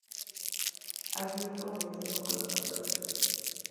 Así es cómo me siento cuando canto la canción.